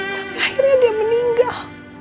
sampai akhirnya dia meninggal